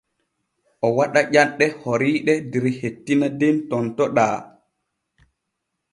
O waɗa ƴanɗe horiiɗe der hettina den tontoɗaa.